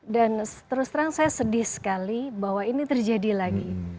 dan terus terang saya sedih sekali bahwa ini terjadi lagi